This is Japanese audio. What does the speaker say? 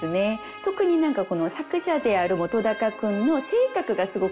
特に何か作者である本君の性格がすごく出てきていて。